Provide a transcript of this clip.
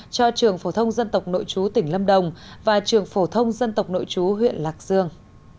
cho trường phổ thông dân tộc nội chú tỉnh lâm đồng và trường phổ thông dân tộc nội chú huyện lạc dương